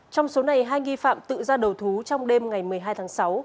trong số này hai nghi phạm tự ra đầu thú trong đêm ngày một mươi hai tháng sáu